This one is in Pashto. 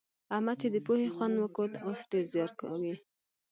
احمد چې د پوهې خوند وکوت؛ اوس ډېر زيار کاږي.